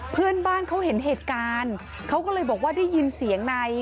เพื่อนบ้านเขาเห็นเหตุการณ์เขาก็เลยบอกว่าได้ยินเสียงใน